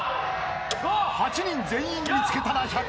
［８人全員見つけたら１００万円］